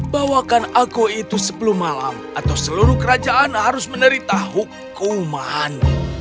bawakan aku itu sebelum malam atau seluruh kerajaan harus menderita hukuman